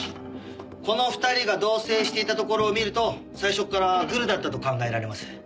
この２人が同棲していたところを見ると最初っからグルだったと考えられます。